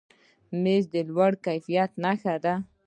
مېز د لوړ کیفیت نښه ده.